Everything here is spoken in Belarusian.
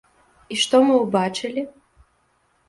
І што мы ўбачылі?